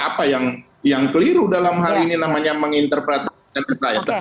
apa yang keliru dalam hal ini namanya menginterpretasikan rakyat